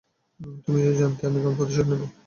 তুমি তো জানতেই আমি কেমন প্রতিশোধ নিব।